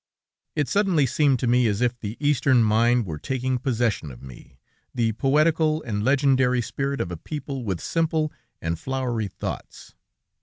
It suddenly seemed to me as if the Eastern mind were taking possession of me, the poetical and legendary spirit of a people with simply and flowery thoughts.